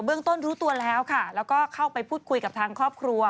เบื้องต้นรู้ตัวแล้วก็เข้าไปพูดคุยกับทางครอบครัว